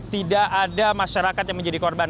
tidak ada masyarakat yang menjadi korban